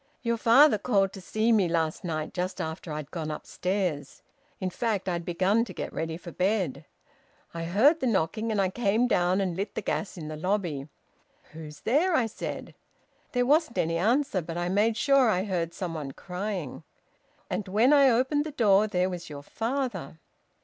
Your father called to see me last night just after I'd gone upstairs. In fact I'd begun to get ready for bed. I heard the knocking and I came down and lit the gas in the lobby. `Who's there?' I said. There wasn't any answer, but I made sure I heard some one crying. And when I opened the door, there was your father.